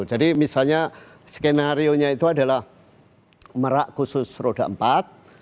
jadi misalnya skenario nya itu adalah merah khusus roda empat